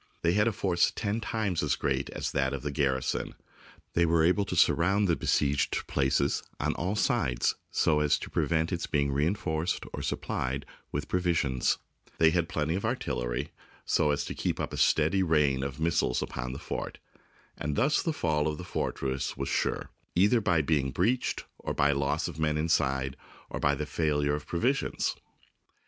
They had a force ten times as great as that of the gar rison; they were able to surround the besieged places on all sides so as to prevent its being rein forced or supplied with provisions ; they had plenty of artillery, so as to keep up a steady rain of mis siles upon the fort ; and thus the fall of the fortress was sure, either by being breached, by the loss of men inside, or by the failure of provisions.